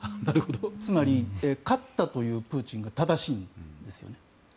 つまり、勝ったと言うプーチンが正しいんですよね。